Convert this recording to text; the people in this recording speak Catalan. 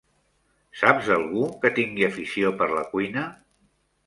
Saps d'algú que tingui afició per la cuina?